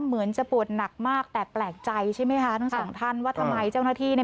เหมือนจะปวดหนักมากแต่แปลกใจใช่ไหมคะทั้งสองท่านว่าทำไมเจ้าหน้าที่